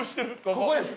ここです。